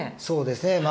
そうですね。